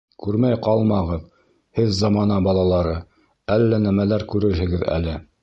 Күрмәй ҡалмағыҙ, һеҙ, замана балалары, әллә нәмәләр күрерһегеҙ әле.